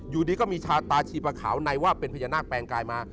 อยู่ดีก็มีชาตาชีปะขาวในว่าเป็นพญานาคแปลงกายมา